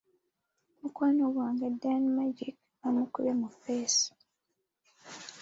Mukwano gwange Dan Magic bamukubye mu ffeesi!